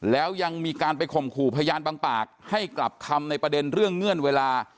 แล้วยังมีการไปข่มขู่พยานบางปากให้กลับคำในประเด็นเรื่องเงื่อนเวลา